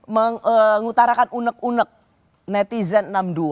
mengutarakan unek unek netizen enam puluh dua